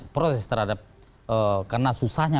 protes terhadap karena susahnya